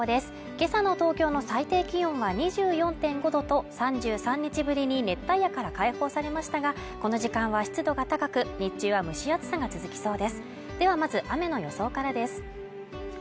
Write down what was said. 今朝の東京の最低気温は２４．５度と３３日ぶりに熱帯夜から解放されましたがこの時間は湿度が高く日中は蒸し暑さが続きそうですではまず雨の予想からです